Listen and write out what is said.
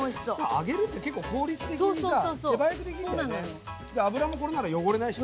揚げるって結構効率的にさ手早くできるんだよね。